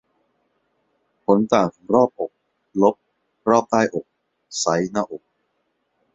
ผลต่างของรอบอก ลบ รอบใต้อก ไซซ์หน้าอก